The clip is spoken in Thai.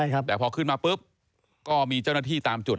แต่พอขึ้นมาปุ๊บก็มีเจ้าหน้าที่ตามจุด